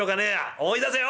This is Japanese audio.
思い出せよ！